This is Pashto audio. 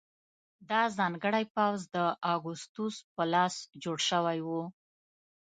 دا ځانګړی پوځ د اګوستوس په لاس جوړ شوی و